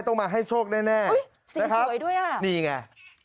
ต้องมาให้โชคแน่นะครับนี่ไงสีสวยด้วย